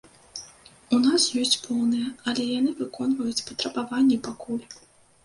У нас ёсць поўныя, але яны выконваюць патрабаванні пакуль.